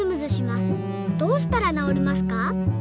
どうしたら治りますか？」